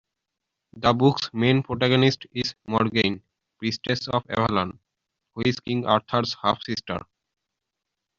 The book's main protagonist is Morgaine, priestess of Avalon, who is King Arthur's half-sister.